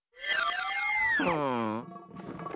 うん。